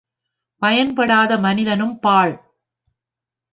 பயன்படாத மனிதனும் பாழ்.